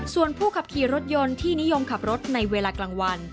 ส่วนผู้ขับขี่รถยนต์ที่นิยมขับรถในเวลากลางวัน